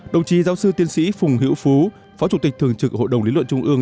đồng chí giáo sư tiến sĩ phùng hữu phú phó chủ tịch thường trực hội đồng lý luận trung ương